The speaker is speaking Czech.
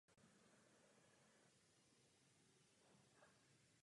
Od té doby nebyl až na malé úpravy přestavován.